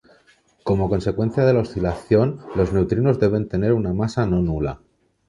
Como consecuencia de la oscilación, los neutrinos deben de tener una masa no nula.